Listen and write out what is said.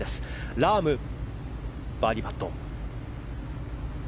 ラーム、バーディーパット。